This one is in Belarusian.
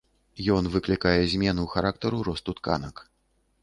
Ён выклікае змену характару росту тканак.